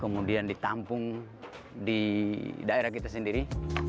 kemudian ditampung di daerah kita sendiri